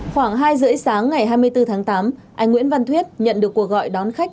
khoảng hai h ba mươi sáng ngày hai mươi bốn tháng tám anh nguyễn văn thuyết nhận được cuộc gọi đón khách